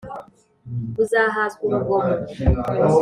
buzahazwa urugomo